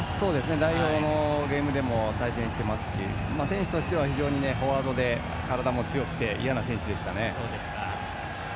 代表のゲームでも対戦していますし選手としてはフォワードとして体も強くて嫌な選手でした。